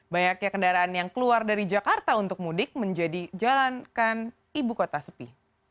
banyaknya kendaraan yang keluar dari jakarta untuk mudik menjadi jalankan ibu kota sepi